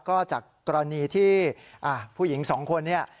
ก็จากตรณีที่อ่าผู้หญิงสองคนเนี่ย